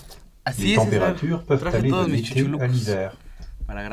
Les températures peuvent aller de l'été à l'hiver.